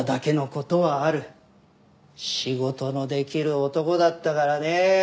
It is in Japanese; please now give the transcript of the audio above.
仕事のできる男だったからねえ。